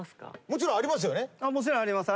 もちろんあります。